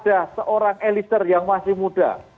apakah kepada seorang elisir yang masih muda